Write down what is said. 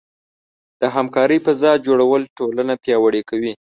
د همکارۍ فضاء جوړول ټولنه پیاوړې کوي.